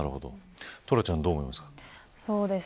トラちゃんはどう思いますか。